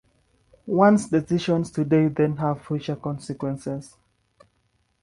One's decisions today, then, have future consequences.